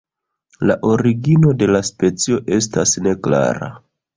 La origino de la specio estas neklara.